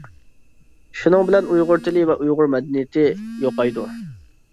شۇنىڭ بىلەن ئۇيغۇر تىلى ۋە ئۇيغۇر مەدەنىيىتى يوقايدۇ.